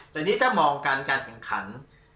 แต่นี่ถ้ามองการการแข่งขัน